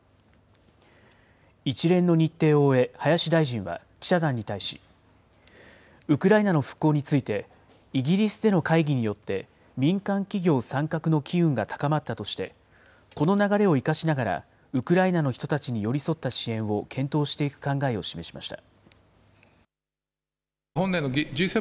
一連の日程を終え、林大臣は、記者団に対し、ウクライナの復興についてイギリスでの会議によって、民間企業参画の機運が高まったとして、この流れを生かしながらウクライナの人たちに寄り添った支援を検討していく考えを示しました。